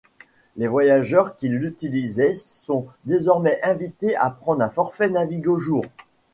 Les voyageurs qui l'utilisaient sont désormais invités à prendre un forfait Navigo Jour.